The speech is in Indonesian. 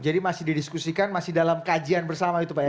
jadi masih didiskusikan masih dalam kajian bersama itu pak ya